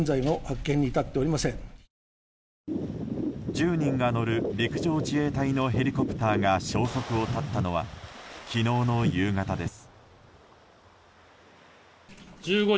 １０人が乗る陸上自衛隊のヘリコプターが消息を絶ったのは昨日の夕方です。